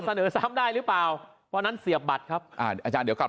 เสนอซ้ำได้หรือเปล่าวันนั้นเสียบบัตรครับอ่าอาจารย์เดี๋ยวกลับ